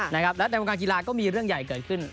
และในวงการกีฬาก็มีเรื่องใหญ่เกิดขึ้น